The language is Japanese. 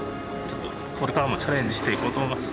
これからもチャレンジしていこうと思います。